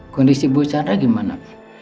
kondisi bukara gimana